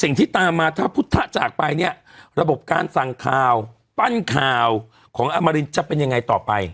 สิ่งที่ตามมาถ้าพุทธจากไปเนี่ยระบบการสั่งข่าวปั้นข่าวของอมรินจะเป็นยังไงต่อไป